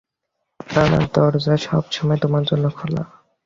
আমার দরজা সবসময় তোমার জন্য খোলা।